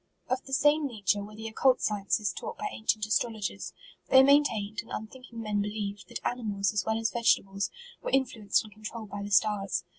Of the same nature were the occult scien ces taught by ancient astrologers. Thej maintained, and unthinking men believed, that animals, as well as vegetables, were in fluenced and controlled by the stars.